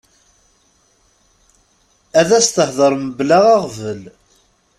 Ad s-tehder mebla aɣbel.